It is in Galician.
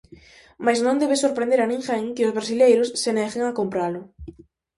Mais non debe sorprender a ninguén que os brasileiros se neguen a compralo.